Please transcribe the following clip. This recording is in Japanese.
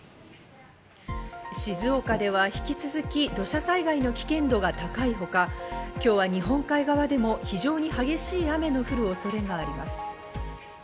静岡では引き続き、土砂災害の危険度が高いほか、今日は日本海側でも非常に激しい雨の降る恐れがあります。